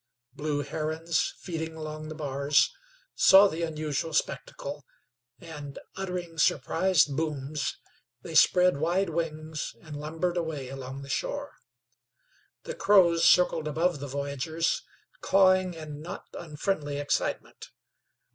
Blue herons feeding along the bars, saw the unusual spectacle, and, uttering surprised "booms," they spread wide wings and lumbered away along the shore. The crows circled above the voyagers, cawing in not unfriendly excitement.